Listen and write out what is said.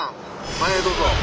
前へどうぞ。